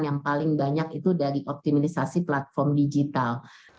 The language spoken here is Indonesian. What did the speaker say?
yang paling banyak itu dari optimalisasi platform digital